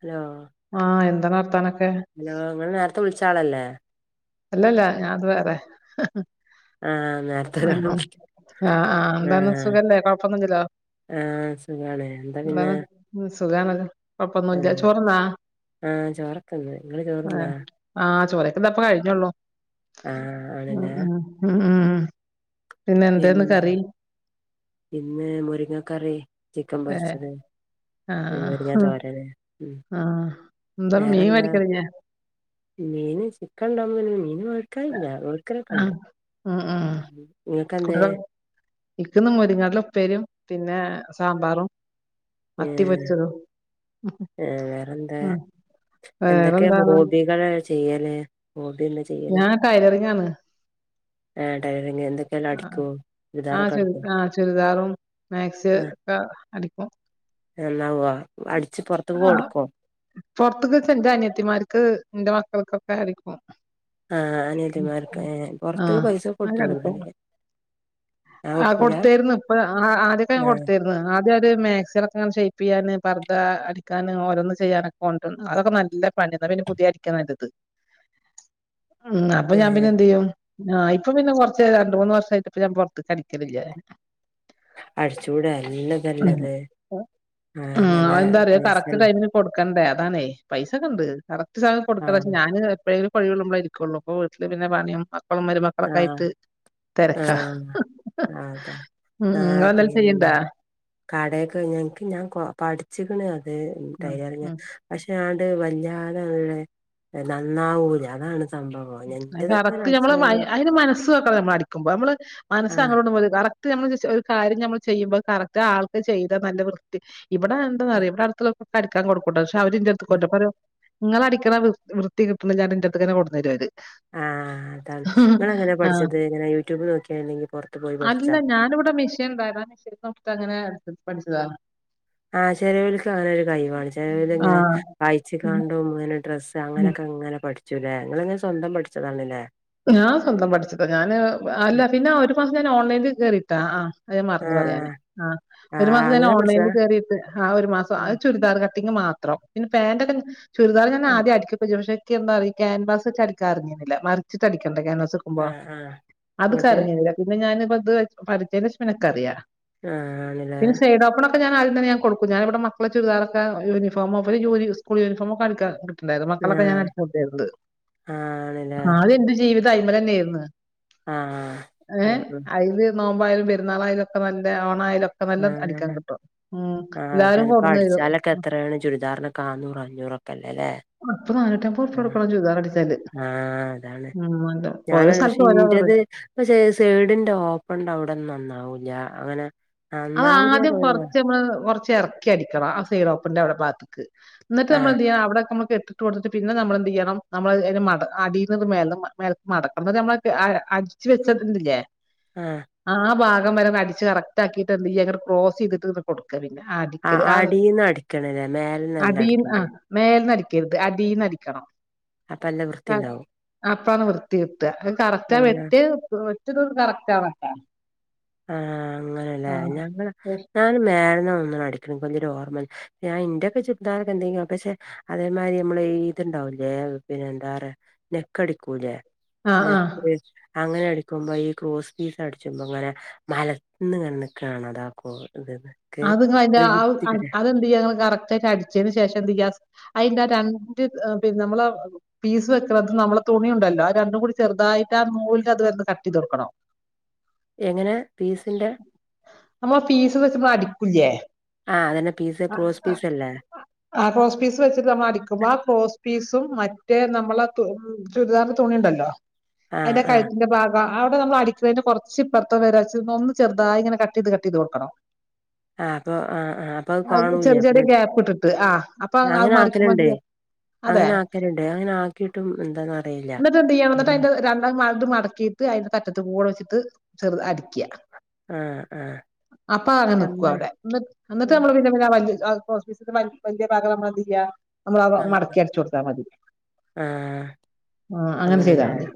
Hello ആഹ് എന്താണ് വർത്താനൊക്കെ? ഹലോ ഇങ്ങൾ നേരത്തെ വിളിച്ചാളല്ലേ അല്ലല്ല ഞാത് വേറെ ആ നെരത്തേരാൾ വിളി ആ ആ എന്താണ് സുഖല്ലേ കൊഴപ്പൊന്നില്ലല്ലോ ആഹ് സുഖാണ് എന്താ പിന്നെ ന്താണ് സുഖാണ് കൊഴപ്പൊന്നും ഇല്ലാ ചോറ് തിന്നോ. ആ ചോർക്കന്ന് നിങ്ങള് ചോർന്നാ. പ്പ കഴിഞ്ഞള്ളൂ ഉം ആണല്ലേ ഉം ഉം ഉം പിന്നെ എന്തേന്ന് കറി? [unintelligible] പിന്നെ മുരിങ്ങ കറി. ചിക്കൻ ഏഹ് പൊരിച്ചത് മെരിങ്ങാ തോരന് ഉ. എന്ത മീൻ മെഡിക്കൽ ഇല്ലേ? മീൻ ചിക്കൻ ഉണ്ടാകുമ്പോൾ പിന്നെ മീൻ വേടിക്കലില്ല വേടിക്കലൊക്കെ ഉണ്ട്. ആഹ് ഉം ഉം നിങ്ങക്കെന്തേ കുട്ടികൾ ഇക്കുന്നു മുരിങ്ങാട്ടില ഉപ്പേരും. പിന്നെ സാമ്പാറും. മത്തി പൊരിച്ചതും ആഹ വേറെന്താ. ആഹ് എന്തൊക്കെയ വേറെന്താണ് ഹോബികള് ചെയ്യല്ഹോബിന്ന്.. ഞാൻ ടൈലറിംഗ് ആണ്. ടൈലറിംഗ് എന്തൊക്കെ അടിക്കും. ആഹ് ചുരിദാറൊക്കെ ചരി അടിക്കോ ആഹ് ചുരിദാർ മാക്സി ഒക്ക അടിക്കു. ന്നാവാ അടിച്ച് പുറത്തേക്ക് കൊടുക്കും. പോർത്തുക്കെ എന്റെ അനിയത്തിമാർക്ക് എന്റെ മക്കൾക്കൊക്കെ അടിക്കും. ആഹ അനിയതിമാർക്ക് ഏ പുറത്ത് പൈസ കൊടുത്ത വിടുന്നല്ലേ.. ആഹ കൊടുത്തായിരുന്നു ഇപ്പൊ ആദ്യക്ക ഞ ആഹ് കൊടുത്തരുന്നു.. [unintelligible] മാക്സികൾ ഒകെ ഷൈപ്പ് ചെയ്യാന്. പർദ്ധ അടിക്കാും ഓരോന്ന് ചെയ്യാനൊക്കെ കൊണ്ട് രും അതൊക്കെ നല്ല പണിയന്ന പിന്നെ പുതിയത് അടിക്കാൻ നല്ലത്. ഉം അപ്പൊ ഞാൻ പിന്നെ ഏഹ് എന്ത് ചെയ്യും. ആഹ് ഇപ്പൊ പിന്നെ കൊറച്ച് രണ്ട മൂന്ന് വർഷമായിട്ട് ഇപ്പ ഞാൻ പുറത്ത്ക്ക് അടിക്കൽ ഇല്ല. അടിച്ചൂടല്ലതല്ലത് ആഹ. അഎന്താറിയോ കറക്റ്റ് ടൈമിന് കൊടുക്കണ്ടേ അതാാണേ പൈസ ക്കെ ഉണ്ട് അ.. സാധം കൊടുക്കണ ആഹ് ഞാന് [unintelligible] ഇരിക്കുള്ളൂ അപ്പൊ വീട്ടില് പിന്നെ പണിയും. മക്കളും മരുമക്കളൊക്കെ ആയിട്ട്. തെരക്കാ ആഹ അതെ ഉം ഉം ആഹ ഇങ്ങളെന്തേലും ചെയ്യ്ണ്ടാ പിന്നെ. കടയൊക്കെ എനിക്ക് ഞാൻ പഠിച്ചിക്കണു അത് ഉം ടൈലറിംഗ് ഉം പക്ഷെ. വല്ലാതെള്ള നന്നാവൂല അതാണ്. സംഭവോ എന്റെ ഇതൊക്കെ അടിച്ച.. അതിന് മനസ്സൊക്കെ നമ്മളടിക്കുമ്പോ നമ്മള് മനസ് ആഹ് അങ്ങോട്ടും ഇങ്ങോട്ടും പോകല്ലേ. നമ്മൾ ഒരു കാര്യം നമ്മൾ ചെയ്യുമ്പോ കറക്റ്റ് ആൾക്ക് ചെയ്താ നല്ല വൃത്തി ഇവിടെ എന്താ.. പറയ ഇവിടെ അടുത്തുള്ള അടിക്കാ കൊടുക്കൂട്ടെ പക്ഷെ അവരിന്റെ അടുത്ത് [unintelligible] നിങ്ങള അടിക്കണ വൃ വൃത്തി കിട്ടുന്നല്ലാന്ന് പറഞ്ഞിട്ട്ന്റെറടുത്തന്നെ കൊണ്ട് തരു അവര്. ആഹ് അതാണ് നിങ്ങൾ എങ്ങനെ ആഹ് പഠിച്ചത് എങ്ങനെ യൂട്യൂബ് നോക്കിയണ്ടെങ്കിൽ പുറത്ത് പോയി പഠിച്ചാ.. ഇവിടെ മിഷൻണ്ട മിഷ അങ്ങനെ പഠിച്ചതാ ആഹ ചെിലവലക്ക് അങ്ങനെ ഒരു കഴിവാണ് ആ ചെലവർഇങ്ങനെ വായിച്ച കാണ്ടും അങ്ങനെ ഡ്രസ്സ്. ഉം. അങ്ങനെയൊക്കെങ്ങനെ പഠിച്ചൂല്ലേ നിങ്ങങ്ങെ സ്വന്തം പഠിച്ചതാണല്ലേ. ഞാൻ സ്വന്തം പഠിച്ചതാ ഞാന് അല്ല പിന്നെ ഒരു മാസം ഞാൻ ഓൺലൈനിൽ കേറിയിട്ടാ ആ. അത് ഞാൻ മറന്ന്പറയാന് ആഹ് ആ ഒരു ആഹ് മാസംഞാൻ അങ്ങനെ പഠിച്ചതാ ഓൺലൈനിൽ കേയറിയിട്ട് ആ ഒരു മാസം ഉം ആത് ചുരിദാർ ക.. കട്ടിംഗ് മാത്രം പിന്നെ പാന്റൊക്കെ ചുരിദാർ ഞാൻ ഉം ആദ്യം അടിക്കും പക്ഷെ. [unintelligible] അറിയോക്ൻവാസ്ഇച്ച് അടി കാൻ അറിഞ്ഞിരുന്നില്ല മറിച്ച്ട്ട്അടിക്ക.. [unintelligible] ആഹ് ആഹ് അത് എന്നിട്ട് അറിഞ്ഞിരുന്നില്ല പിന്നെ ഞാനിപ്പം ഇത് പഠിച്ചതിനു ശേഷം ക്ക് അറിയാ.. ആഹ ആണിലേ. പ്പ ഞാൻ ആദ്യം തന്നെ കൊടുക്കും ഞാൻഇവിടെ മക്കളെ ചുരിദാർ ഒക്കെ യൂണിഫോ ഇവര സ്കൂൾ യൂണിഫോം ഒക്കെ ഇവർയൂണഫോക്കെ.. ണ്ടായത് മക്കളൊക്കെ ഞാൻ അടി ആഹ് [unintelligible] ആണ്ല്ലേ ആദ്യം എന്റെ ജീവിതം അതിമൽതന്നെയായിരുന്നു. ആഹ് ആഹ ഉ ഉ അയില് നോമ്പായാലും പെരുന്നാളായാലുംക്കെ നല്ല ഓണായാലും. ഒക്കെ നല്ല ആ അടിക്കാൻ കിട്ടും ഉം ആ എല്ലാരും അതന്ന ഇപ്പ കൊടുന്നു തരും അടിച്ചാലൊക്കെ എത്രയാണ് ചുരിദാറിനൊക്കെ [unintelligible] പറഞ്ഞ.. പുറക്കല്ലല്ലേ അപ്പം നാന്നൂറ്റി അയ്മ്പൊർ പ്യട്ക്കണം ചുരി ആഹ അതാണ് ഞാന ഓരോ [unintelligible] പക്ഷെ സ്ഥലത്ത് ഓരോ ഇന്റത് [unintelligible] സൈഡിന്റെ ഓപ്പൺണ്ട് അവിടെന്ന നന്നാവൂ ഞാ അങ്ങനെ അത ആദ്യം നന്നാവൂലാറിയ കുറച്ച് നമ്മ [unintelligible] കുറച്ച് ചറക്കി അടിക്കണം ആ സൈഡ ഓപ്പിന്റെ അവിടെ ഭാത്തത്ത്ക്ക് എന്നിട്ട് നമ്മ ആഹ് എന്ത് ചെയ്യ അവിടെ നമ്മ ഇട്ടിട്ട് കൊടുത്തിട്ട് പിന്നെ നമ്മളെന്ത് ചെയ്യണം നമ്മള് അടിന്നത് മ മടക്ക നമ്മള അടിച്ച വെച്ചട്ടണ്ടില്ലേ ആഹ് ആ ഭാഗം വരെ അടിച്ച് കറക്റ്റ് ആക്കിയിട്ട് എന്ത ചെയ്യാ അത് ക്രോസ് ചെയ്തിട്ട് ഇ കൊടുക്കും പിന്നെ ആ അടിക്ക ആഹ് ആ അടീന്ന് അടിക്കണല്ലേ മേലെന്നല്ല അടിന്ന് ആ അടിക്കണ്ടേ മേൽന്ന അടി രുത് അടീന്ന് അടിക്കണം അപ്പ അല്ല വൃത്തി ണ്ടാവും പ്പാണ് വൃത്തി കിട്ടാ അ കറക്റ്റ് ആ വെട്ടി വെട്ടിയതൊന്നും കറക്റ്റാവണ്ട ആഹ അങ്ങനെല്ലേ ഞങ്ങ ഞാൻ മേ ന്നാ തോന്നുണ് അടിക്ക്ണ പ്പം വല്യ ഒരു ഓർമ്മ ഇല്ല. ഞാ ഇന്ററാക്കെ ചുരിദാറ് എന്തെങ്കിലും പക്ഷെ അതേമാതിരി നമ്മ ണ്ടാവൂലേ പിന്നെ എന്താ പറ നെക്കടിക്കൂലേ ആ ആ [unintelligible] അങ്ങനെ അടിക്കുമ്പോ ഈ ക്രോസ് പീസ് അടിച്ച്മ്പൊ ഇങ്ങനെ മലന്ന് ങ്ങനെ നിക്കണ അതാക്ക അത് ങ്ങള് അയിന്റെ ആ അത് എന്തെയ്യാ ങ്ങള് കറക്റ്റ് ആയിട്ട് അടിച്ചതിന് ശേഷം എന്ത് ചെയ്യ അതിന്റെ രണ്ട് നമ്മള പീസ് വെക്കത് നമ്മളെ തുണി ഉണ്ടല്ലോ ആ രണ്ടും കൂടി ചെറുത ട്ട് ആ നൂൽന്റെ അത് ഒന്ന് കട്ടെയ്ത് കൊടുക്കണം എങ്ങനെ ഫീസിന്റെ നമ്മ ഫീസ് വെച്ച്പ അടിക്കൂല്ലേ ആ അതന്നെ പീസ് ക്രോസ് പീസ് അല്ലേ ആ ക്രോസ് പീസ് വെച്ചിട്ട് നമ്മൾ അടിക്കുമ്പോ ആ ക്രോ പീസും മറ്റേ നമ്മള ചുരിദാറിന്റെ തുണി ഉണ്ടല്ലോ ആ അതിന്റെ ആ കഴുത്തിന്റെ ഭാഗം ആവിടെമ്മ അടിക്കുന്നതിന് കൊറച്ച് ഇപ്പറത്തം വരാന്ന് ഒന്ന് ചെറുതായി ഇങ്ങന കട്ട് ചെയ്ത് കട്ട് ചെയ്ത് കൊടുക്കണം ആ അപ്പൊ ആ ആ അപ്പൊ അത് അ ചെറിയ കാണൂലേ ചെറിയ പിന്നെ ഗ്യാപ്പ് ഇട്ടിട്ട് ആ അപ്പൊ അത് അങ്ങനെ മറിക്കുമ്പോ ആക്കലുണ്ട് എന്തെയ്യാ അതെ അങ്ങനെ ആക്കലുണ്ട് അങ്ങനെ ആക്കിയിട്ടും എന്താന്ന് അറിയില്ല എന്നിട്ട് എന്ത് ചെയ്യണം എന്നിട്ട് ഉം. അതിന്റെ രണ്ട ഇത് മടക്കിട്ട് അതിന്റെ അറ്റത്ത് കൂടെ വെച്ചിട്ട് ചെറ അടിക്കുക ആ ആ അപ്പ അ പക്ഷെ ക്കും അങ്ങനെ അവടെ എന്നിട്ട് ആ നമ്മള് പിന്ന വ ഓഫീസി വലിയ ഭാഗം നമ്മളെന്ത് ചെയ്യാ നമ്മളത് മടക്കി അടച്ചു കൊടുത്താൽ മതി ആഹ ആ അങ്ങനെ ചെയ്താ മതി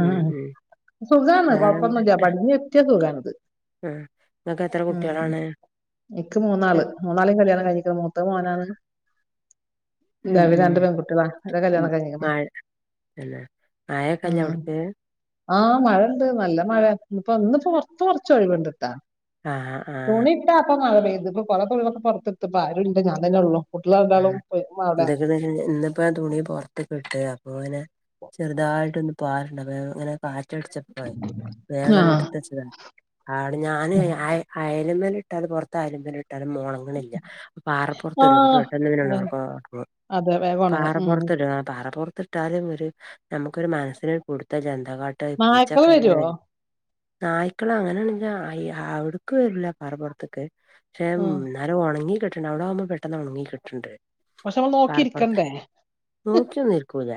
ആ ഉം സുഖമാണ് കുഴപ്പൊന്നില്ലാ വേറെന്തൊക്കെടാ പടിഞ്ഞ വ എത്തിയ സുഖമാണ് ആ നിങ്ങൾക്ക് എത്ര കുട്ടികളാണ് എനിക്ക് മൂന്നാള് മൂന്നാളും കല്യാണം കഴിഞ്ഞിക്ക മൂത്ത മോനാണ് ഉം [unintelligible] ഉം രണ്ട് പെൺകുട്ടികളാ ഒരെ കല്യാണം കെഴിഞ്ഞിക്ക്ണ് എന്നെ മഴ ഒക്കെല്ലേ അവിട്ക്ക് ആഹ് മഴ ഉണ്ട് നല്ല മഴ ഇപ്പ ഇന്ന് ഉപ്പൊ കുറച്ച് ഒഴിവുണ്ട്ട്ടാ ആഹ ആഹ് ആഹ ഇ മഴ പെയ്ത് ഇപ്പ കൊ [unintelligible] പുറത്തെത്ത്പ്പ ആരും ഇല്ലഞാൻ തന്നെ ഉള്ളൂ എന്തൊക്കെയന്ന് വ ഇന്ന്പ്പോ ആ തുണിപുറത്ത് ഇട്ട് അപ്പൊ അങ്ങനെ ചെറുതായിട്ട് ഒന്ന് പാറുണ്ട് അപ്പങ്ങനെ കാ ടിച്ച പോ വേഗം ആഹ് എടുത്തച്ചതാ ആടെ ഞാന് അ ആ ഇട്ടാലും പുറത്ത അയല് മ്മല് ഇട്ടാലും ഒണങ്ങിണില്ല പാറപ്പറത്ത ആഹ് അതെ വേഗം [inaudible] ഒണങ്ങും പാറ ഉം പുറത്ത് ഇട പാറ പുറത്തിട്ടാലും ഒരു നമുക്കൊരു മനസിന പുടുത്ത ഇ കാട്ട നായ്ക്കള് പൂച്ചക്കെ അങ്ങനെ വരോ വരും നായ്ക്കള അങ്ങനെയണെങ്ക അവിടുക്ക് വരില്ല പറപ്പുറത്ത്ക്ക് പക്ഷെ ഉം നേരം ഉണങ്ങി കട്ടിട്ടണ്ട് അവിടെ ആവുമ്പോ പെട്ടെന്ന് ഒണങ്ങി കിട്ടണ്ട് പക്ഷെ നമ്മൾ നോക്കിരിക്കണ്ടേ നോക്കിന്നിരിക്കൂല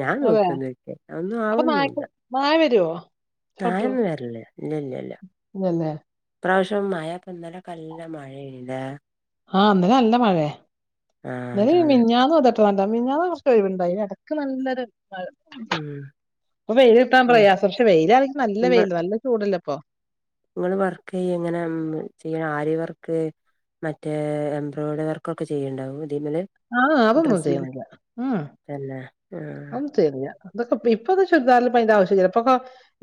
ഞാൻ അതെ നോക്കിന്നിരിക്കൂലാ ഒന്നും അപ്പൊ ആവുന്നുല്ല നായ്ക്ക നായ വരുവോ ചവിട്ടോ നായന്നും വരില്ലേ ഇല്ല ഇല്ല ഇല്ല ഇല്ലല്ലേ ഇ പ്രാവശ്യം മഴപ്പൊ ഇന്നലക്കെ നല്ല മഴ യ്ഞ്ഞില്ലേ ആഹ് ഇന്നലെ നല്ല മഴയ ആഹ് ഇന്നല അതാണ് മിനിഞ്ഞാന്ന് ന്ന കുറച്ച് ഒഴിവുണ്ടായി ഇടക്ക് നല്ലരു ഉം. ഇപ്പൊ വെയില് കിട്ടാൻ ഇങ്ങ പ്രയാസ പക്ഷെ വെയിലാണങ്കും നല്ല വെയില് നല്ല ചൂടല്ല പ്പ നിങ്ങള്ൾ വർക്ക് ചെയ എങ്ങനെ ചെയ്യണം ആര്യ വർക്ക് മറ്റേ എംബ്രോയ്ഡറി വർക്കൊക്കെ ചെയ്യുണ്ടാാവും ആഹ് ഡ്ര അതൊന്നും അല്ല അ തരിയാ അതൊക്ക ഇപ്പൊ ചുരിദാറും പ്പയിൻ്റെ ആവശ്യ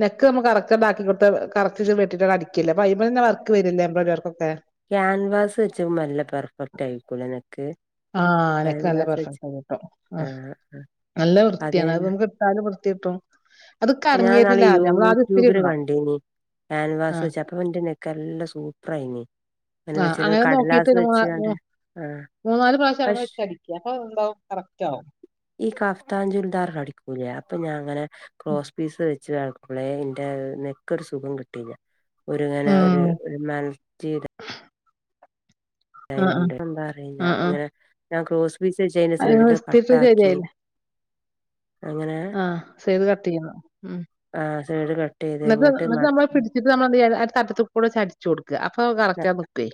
നെക്ക് നമ്മ കറക്കണ്ടാക്കി കൊടു കറ വട്ടിട്ട അടിക്കില്ല അ അ തന്നെ വർക്ക് വരില്ല ക്യാൻവാസ് വെച്ചവും നല്ല പെർഫെക്റ്റ് ആയിക്കോളനക്ക് ആഹ അനൊക്കെ നല്ല പെർഫെക്ട് ആയി കേട്ടോ ആ ആഹ് നല്ല വൃത്തിയാണ് അത് അതന്നെ നമുക്ക് ഇട്ടാലും വൃ ട്ടും ഞാൻ അത്കറിഞ്ഞിരുന്നില്ല ആദ്യം നമ്മളാത് ഇത്തിരി ഇന്നോ കാൻവാസ് വെചപ്പ ൻ്റെ നെക്ക് നല്ല സൂപ്പർായിന് പിെ ആഹ് വെച്ചന് അങ്ങനെ കടലാസ് വെച്ചണ്ട ആ മൂന്ന നാല് പ്രാവശ്യ ആണ വെച്ചടിക്ക അപ്പൊ എന്താവും കറക്റ്റ് ആവും ഈ കാഫ്താഞ്ജുൽദാർ കടിക്കൂലേ അപ്പൊ ഞാൻ അങ്ങനെ ഉം പ വെച്ച ആൾക്കളെ എന്റെ നെക്കൊരു സുഖം കിട്ടിയില്ല ഒരുങ്ങനെ ഒരു ആഹ് മനസ് ചെയത അ ആഹ് ആഹ് എന്താ ആഹ് ആഹ് അങ്ങന ഞാ ക്ര വിസ ചെയ്യുന്ന അയ്മെ സെഡില ഇസ്തിരിട്ട് കട്ടാക്കി അങ്ങനെ ആഹ ചെയ്ത് കത്തിയന്നോ ഉം ആഹ് സൈഡ് കട്ടെയ്ത് എന്നത്ത് ഇങ്ങട്ട് നമ്മള് മടക്കി പിടിച്ചിട്ട് നമ്മൾ തട്ടത്തുപ്പൂടെ ചരിച്ച് കൊടുക്കും അപ്പൊ കറക്റ്റാ നക്കേ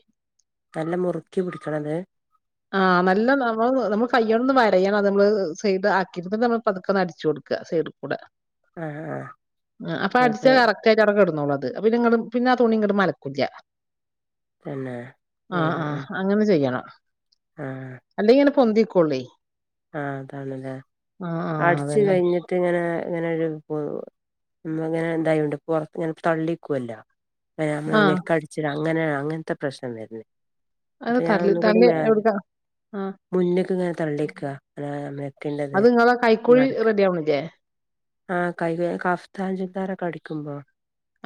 നല്ല മുറുക്കി പിടിക്കണത് ആ നല്ല നമ്മ നമ്മു കയ്യോണ്ട്ന്ന് വരയ അത് നമ്മള് സൈഡ് ആക്കി നമ്മൾ പതുക്കന്ന് അടിച്ചു കൊടുക്ക സൈഡിൽ കൂടെ ആഹ അടിച്ച കറക്ടായിട്ട് അവിടെ കിടന്നോളും അത് അ നി പിന്നെ ആ തുണി ഇങ്ങട്ടും മലക്കൂല്ല തന്നെ ആഹ ആഹ അങ്ങനെ ചെയ്യണം ആഹ പൊന്തിക്കോളും ആഹ അതണല്ലേ ആഹ് അടച്ച് അതന്നെ കഴിഞ്ഞിട്ട് ഇങ്ങനെ അങ്ങനെ ഒരു അങ്ങനെ എന്തായണ്ട്റത്ത് ഇങ്ങനെ തള്ളിക്കുവല്ലോ പിന്നെ നമ്മ ആഹ് നെക്കടിച്ചി അങ്ങനെയ അങ്ങനത്തെ പ്രശ്നം വരുന്നേ അത് അപ്പൊ ഞാൻ തള്ളി ഒന്നുകൂടി തള്ളി മ എടുക്കാം ആഹ് മുന്നേക്ക ഇങ്ങനെ തള്ളിക്കാ നെക്കിന്റത് അത് നിങ്ങളെ കൈക്കോഴി റെഡി ആവണില്ലേ ആഹ കൈക അഫ്താചുരിദാറോക്കെ അടിക്കുമ്പോ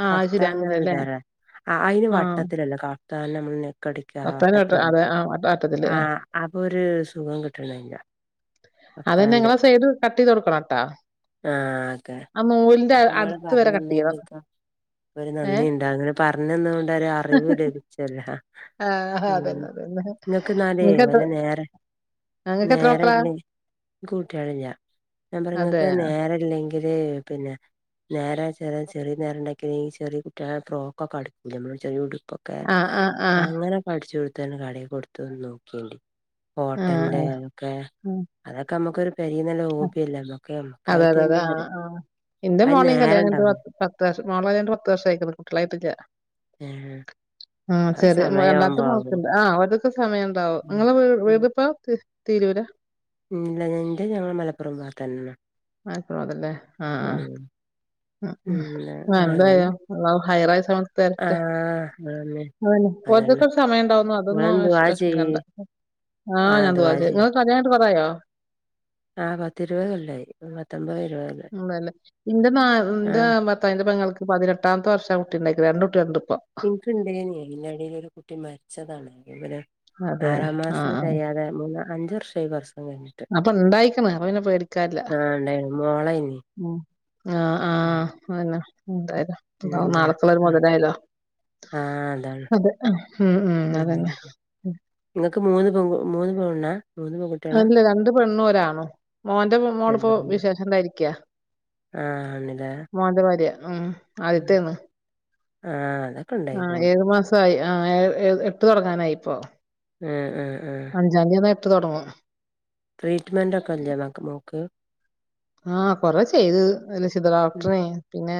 ആഹ് അത് ശരി കഫ്താന്റെ അങ്ങനെല്ലേ ചുരിദാറാ അയിന് ആഹ് വട്ടത്തിലല്ലോ കഫ്താൻ നമ്മള് കടിക്ക വർത്താനം കേട്ട വട്ടത്തിലല്ലേ അതെ ആഹ് വട്ട വട്ടത്തില് ആഹ് ആഹ അപ്പൊ ഒരു സുഖം കിട്ടണല്ല അതന്നെ ഞങ്ങളെ സൈഡ് കട്ട് ചെയ്തു കൊടുക്കണംട്ടാ ആഹ അതെ ആ നൂലിന്റെ ഇപ്പൊ നിങ്ങ അടുത്ത് വരെ കട്ട് ചെയ്യണം പറഞ്ഞന്നക്ക ഒരു നന്ദി ഏഹ് ഉണ്ട അങ്ങനെ പറഞ്ഞന്നുക കൊണ്ടറിവ് ലഭിച്ചല്ലോ ആഹ അ ഉം അതന്ന ഇങ്ങക്ക്ന്നാലേ അതന്നക്ക വല്ല നേര അങ്ങക്ക് എത്ര മക്കള? കുട്ടികളില്ല ഞാൻ പറങ്ങക്ക് നേരെ ഇല്ലെങ്കില് പിന്നെ നേരം ചെറ ചെറിയ കുട്ടികൾ കളിക്കൂലേ നമ്മ ചെറിയ കുട്ട്യോൾ. ഇപ്പൊക്കെ ആഹ് ആഹ് ആഹ് അങ്ങനെ പഠിച്ചു കൊടുത്തന് കടയി കൊടുത്തുന്ന് നോക്കിയാണ്ടി. കോട്ടന്റെ ആഹ് അതൊക്കെ ആഹ് അതൊക്കെ നമ്മുക്കൊരു പെരിന്ന് നല്ല ഹോബില്ലേ ഞമ്മക്ക് അതെ നമുക്കായിട്ട് അതെ അതെ എന്തേ ആഹ് വരു ആഹ് എന്റെ മോളയും കല്യാണം കഴിഞ്ഞിട്ട് പത്ത് വർഷം മോള കഴിഞ്ഞിട്ട് പത്ത് വർഷം ആയിരിക്കുന്നു കുട്ടളായിട്ട് ല്ല ഏഹ് ആഹ അത് ചെറിയ രണ്ടാമത്തെ സമയാവുമ്പോ ആവും മോക്ക്ണ്ട് ആ ഒര്തൊക്കെ സമയം ഉണ്ടാവും ഉം നിങ്ങളെ ഉം വീട് പ്പം തിരൂരാ ഇല്ല ഇന്റെ ഞങ്ങൾ മലപ്പുറം ഭാഗത്തെന്നെ മലപ്പുറം അതല്ലേ ആഹ. ഉ പിന്നെ ഉ എന്തായ് അങ്ങനെ അള്ളാഹു ഹൈറായ സമയത്ത് തരട്ടെ, ആഹ് അതന്നെ അതെന്നെ. അതന്നെ കുറച്ച് സമയം ഉണ്ടാവുന്നു അതൊന്നും ഇങ്ങള് ദുആ ചെയ്യ് വിഷമിക്കണ്ട ആ ഞാൻ ദുആ ചെയ്യാ നിങ്ങൾ കല്യാണം കഴിഞ്ഞിട്ട് കുറേ ആയോ ആ പത്തിരുപത് കൊല്ലായി പത്തൊമ്പത് ഇരുപത് കൊല്ലായി ഉല്ലെ എന്റെ നാ എന്റെ ആഹ് ഭർത്താവിന്റെ പെങ്ങൾക്ക് പതിനെട്ടാമത്തെ വർഷം കുട്ടി ഉണ്ടായിക്ക്ണത് രണ്ടൂകുട്ട്യാൾ ഇണ്ട് ഇൻക്ക് ഇണ്ടേനി അതിന്റെടേൽ ഒരു കുട്ടി മരിച്ചതാണ് അതെ ആറാം മാസത്തിൽ ആഹ് തെയാതെ മൂന്ന് അഞ്ച വർഷമായി കുറ അപ്പൊ ഇണ്ടായിക്കണ അപ്പൊ പിന്നെ പേടിക്കാല്ല ആഹ് ഇണ്ടായിന് മോളേനി ആഹ ഉം ആഹ അല്ല പിന്നെന്താ നാളക്ക്ള്ള ഒരു ആഹ് മുതലായല്ലോ ആഹ് അതാണ് അതെ ഉം ഉം അതന്നെ ഇങ്ങക്ക് മൂന്ന് പെൺകു മൂന്ന് പെണ്ണാ? മൂന്ന് പെൺകുട്ടികളാ അല്ല രണ്ട് പെണ്ണും ഒരാണും മോന്റെ മോള രണ്ട് ഇപ്പം വിശേഷംണ്ടായിരിക്കയാ ആഹന്ന് ലേ- ഉം ആദ്യത്തേന്ന് ആഹ ആ ഏഴു മാസയി ആ ഏ എട്ട് തുടങ്ങാനായി ഇപ്പോ. ഉം ഉം അഞ്ചാം തിയതി വന്നാ എട്ട് തുടങ്ങും. ട്രീറ്റ്മെന്റ് ഒക്കെ ഇല്ലേ മോക്ക്. ആഹ കൊറ ചെയ്തു ലക്ഷിത ഉം ഡോക്ടറേനി പിന്നെ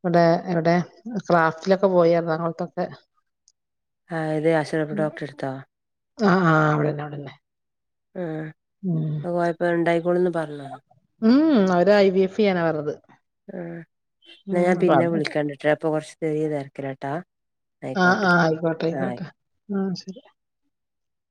ഇവിടെ ഇവിടെ ക്രാഫ്റ്റിലൊക്കെ പോയിരുന്നു എറണാകുളത്തൊക്കെ ആഹ ഇതേ ആശീർവാദ ഡോക്ടറേ എടുത്തോ ആ ആ അവിടന്നെ അവിടന്നെ ആ അ കോയപ്പം ഉണ്ടായിക്കോളുന്ന് പറഞ്ഞോ ഉം അവര് ഐ ബി എഫ് ചെയ്യാനാണ് പറഞ്ഞത്. ആ ഉം എന്നാ ഞാൻ അപ്പൊ പിന്നെ അത് വിളിക്കാണ്ട്ട്ടാ അപ്പൊ കൊറച്ചു ചെറിയ തിരക്കലാട്ടാ. ആഹ ആഹ് ആയിക്കോട്ടെ ആയിക്കോട്ടെ ഉ ശരി